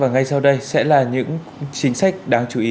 và ngay sau đây sẽ là những chính sách đáng chú ý